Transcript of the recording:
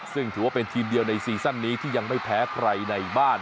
ซึ่งถือว่าเป็นทีมเดียวในซีซั่นนี้ที่ยังไม่แพ้ใครในบ้าน